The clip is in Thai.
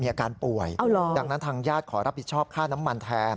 อาการป่วยดังนั้นทางญาติขอรับผิดชอบค่าน้ำมันแทน